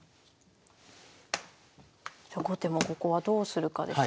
じゃあ後手もここはどうするかですね。